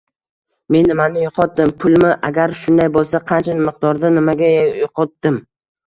Men nimani yoʻqotdim? Pulmi? Agar shunday boʻlsa, qancha miqdorda? Nimaga yoʻqotdim?